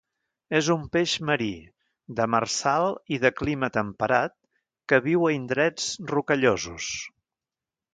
És un peix marí, demersal i de clima temperat que viu a indrets rocallosos.